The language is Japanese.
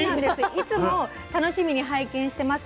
「いつも楽しみに拝見してます。